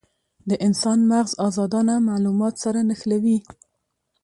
د انسان مغز ازادانه مالومات سره نښلوي.